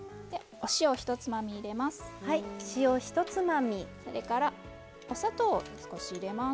お塩、ひとつまみ入れます。